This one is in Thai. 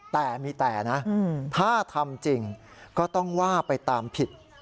แต่มีแต่นะถ้าทำจริงก็ต้องว่าไปตามผิด